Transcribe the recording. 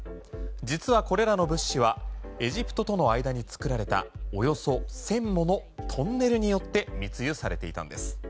実はこれらの物資はエジプトとの間に作られたおよそ１０００ものトンネルによって密輸されていたんです。